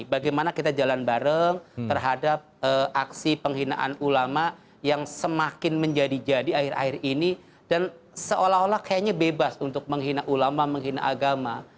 bagaimana kita jalan bareng terhadap aksi penghinaan ulama yang semakin menjadi jadi akhir akhir ini dan seolah olah kayaknya bebas untuk menghina ulama menghina agama